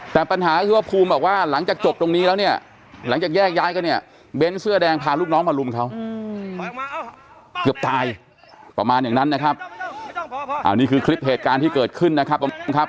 แต่ปัญหาคือว่าภูมิบอกว่าหลังจากจบตรงนี้แล้วเนี่ยหลังจากแยกย้ายกันเนี่ยเบ้นเสื้อแดงพาลูกน้องมารุมเขาเกือบตายประมาณอย่างนั้นนะครับอันนี้คือคลิปเหตุการณ์ที่เกิดขึ้นนะครับ